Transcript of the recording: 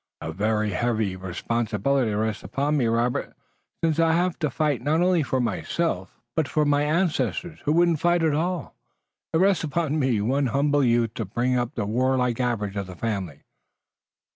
A very heavy responsibility rests upon me, Robert, since I've to fight not only for myself but for my ancestors who wouldn't fight at all. It rests upon me, one humble youth, to bring up the warlike average of the family."